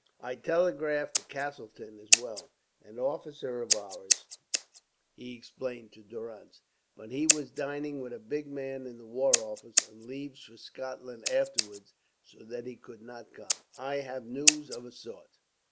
I telegraphed to Castleton as well, an officer of ours," he explained to Durrance, "but he was dining with a big man in the War Office, and leaves for Scotland afterwards, so that he could not come. I have news of a sort."